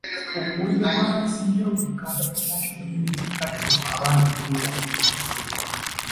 Omuwendo gw'abeesimbyewo ku kkaada ya National Unity Platform abangi gubeerariikiriza.